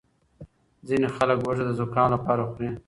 ځینې خلک هوږه د زکام لپاره خوري.